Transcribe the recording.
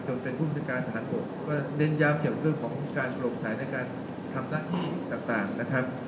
กับภูมิสัยการทางระบบก็เด่นยาวเกี่ยวกับเรื่องของในการทำระอี่ต่างต่างนะครับ